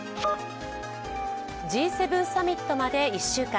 Ｇ７サミットまで１週間。